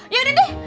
ya udah deh